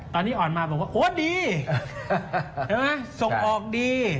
ตอนนี้อ่อนมาบอกว่าโอ้ดีเห็นมั้ยส่งออกดี